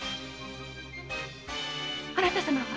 あなた様は？